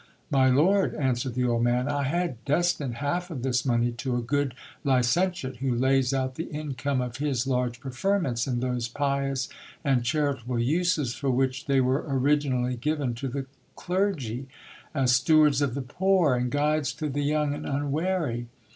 >, ^ly lord, answered the old man, i had destined half of this money to a good licentiate, who lays out the income of his large preferments in those pious and charitable uses for which they were originally given to the clergy, as stew ards of the poor, and guides to the young and unwary.